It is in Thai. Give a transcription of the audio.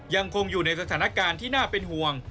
ยังคงอยู่ในสถานการณ์ที่น่าเป็นห่วง